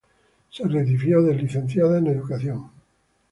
Se recibió de licenciada en Educación.